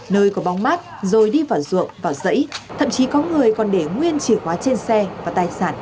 nơi có bóng mát rồi đi vào ruộng và dãy thậm chí có người còn để nguyên chìa khóa trên xe và tài sản